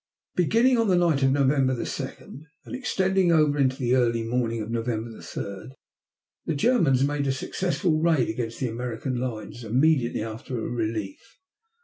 Beginning on the night of November 2 and extending over into the early morning of November 3, the Germans made a successful raid against the American lines immediately after a relief.